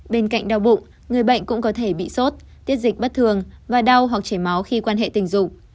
bên cạnh đau bụng người bệnh cũng có thể bị sốt tiết dịch bất thường và đau hoặc chảy máu khi quan hệ tình dục